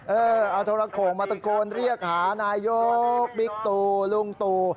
เออเอาโทรโขงมาตะโกนเรียกหานายกบิ๊กตูลุงตู่